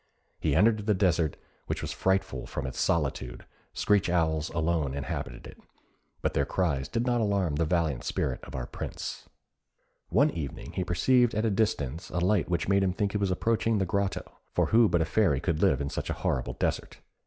He entered the desert, which was frightful from its solitude; screech owls alone inhabited it, but their cries did not alarm the valiant spirit of our Prince. One evening, he perceived at a distance a light which made him think he was approaching the grotto; for who but a fairy could live in such a horrible desert.